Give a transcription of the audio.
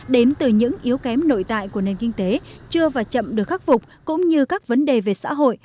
đến từ những yếu kém nội tại của nền kinh tế chưa và chậm được khắc phục cũng như các vấn đề về xã hội